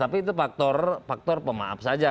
tapi itu faktor pemaaf saja